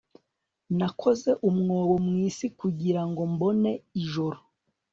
Nakoze umwobo mu isi kugira ngo mbone ijoro